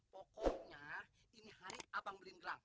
pokoknya ini hari abang beliin gelang